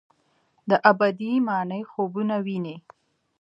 د ابدي مني خوبونه ویني